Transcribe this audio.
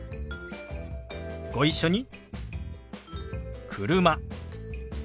ご一緒に。